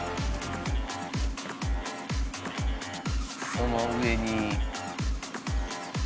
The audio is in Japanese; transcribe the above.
その上に。